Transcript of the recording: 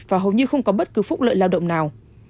và hầu như không có bất cứ phúc lợi lao động nào